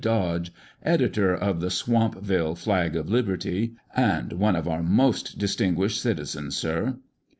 Dodge, editor of the Swamp ville Flag of Liberty (and one of our most distinguished citizens, sir)."